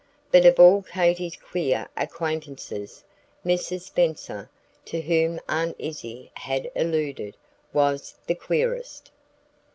But of all Katy's queer acquaintances, Mrs. Spenser, to whom Aunt Izzie had alluded, was the queerest.